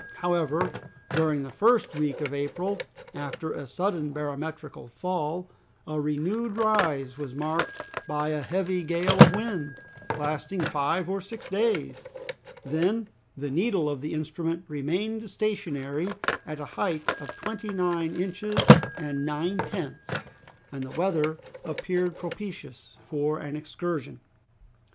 However, during the first week of April, after a sudden barometrical fall, a renewed rise was marked by a heavy gale of wind, lasting five or six days; then the needle of the instrument remained stationary at a height of twenty nine inches and nine tenths, and the weather appeared propitious for an excursion.